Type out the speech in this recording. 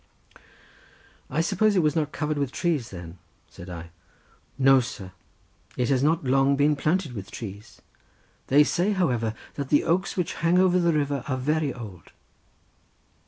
"I suppose it was not covered with trees then?" said I. "No, sir; it has not been long planted with trees. They say, however, that the oaks which hang over the river are very old."